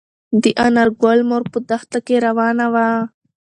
د انارګل مور په دښته کې روانه وه.